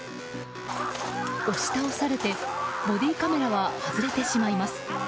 押し倒されて、ボディーカメラは外れてしまいます。